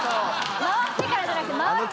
回ってからじゃなくて回る前。